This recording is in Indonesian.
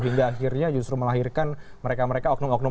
hingga akhirnya justru melahirkan mereka mereka oknoprofesional